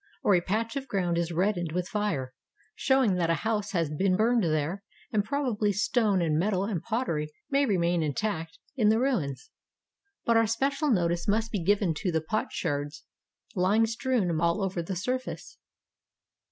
Or a patch of groimd is reddened with fire, show ing that a house has been burned there, and probably stone and metal and pottery may remain intact in the ruins. But our special notice must be given to the pot sherds lying strewn all over the surface.